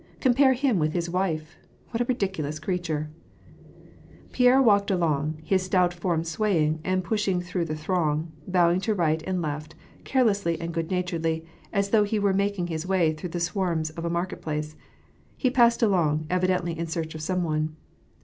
^^ Compare him with his wife ! what a ridiculous creature !" Pierre walked along, his stout form swaying, and pushed through the throng, bowing to right and left, carelessly and good naturedly, as though he were making his way through the swarms of a market place. He passed along, evidently in search of some one.